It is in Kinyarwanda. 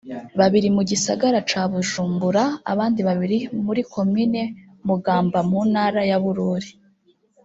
babiri mu gisagara ca Bujumbura abandi babiri muri komine Mugamba mu ntara ya Bururi